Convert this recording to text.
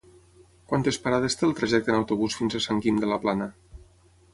Quantes parades té el trajecte en autobús fins a Sant Guim de la Plana?